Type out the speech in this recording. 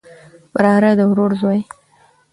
وراره د ورور زوی